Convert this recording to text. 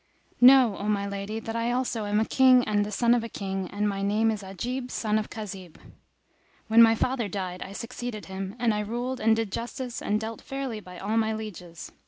Know, O my lady, that I also am a King and the son of a King and my name is Ajíb son of Kazíb. When my father died I succeeded him; and I ruled and did justice and dealt fairly by all my lieges.